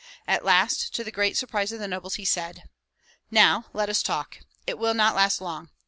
At last, to the great surprise of the nobles, he said, "Now let us talk; it will not last long.